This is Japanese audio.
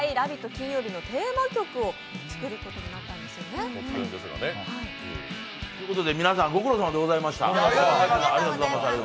金曜日のテーマ曲を作ることになったんですよね。ということで皆さん、ご苦労さまでございました。